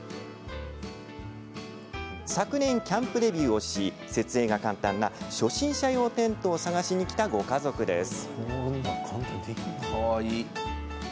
昨年、キャンプデビューをし設営が簡単な初心者用テントを探しにきたご家族です。